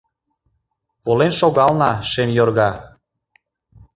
Волен шогална — шем йорга.